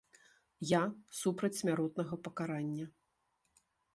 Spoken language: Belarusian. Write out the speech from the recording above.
Я супраць смяротнага пакарання.